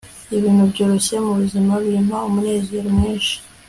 ibintu byoroshye mu buzima bimpa umunezero mwinshi